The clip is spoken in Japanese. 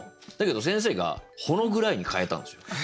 だけど先生が「仄暗い」に変えたんですよ。